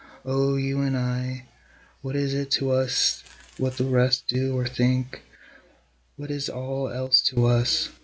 O you and I! what is it to us what the rest do or think? What is all else to us?